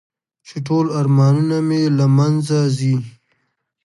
چې ټول ارمانونه مې له منځه ځي .